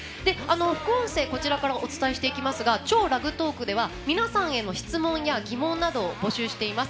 副音声、こちらからお伝えしていきますが「超ラグトーク！」では皆さんへの質問や疑問などを募集しています。